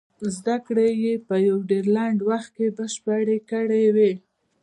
زدکړې يې په يو ډېر لنډ وخت کې بشپړې کړې وې.